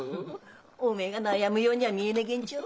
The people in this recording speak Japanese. おめえが悩むようには見えねげんちょ。